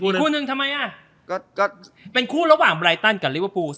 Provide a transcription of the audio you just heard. คู่หนึ่งทำไมอ่ะก็เป็นคู่ระหว่างไรตันกับลิเวอร์พูล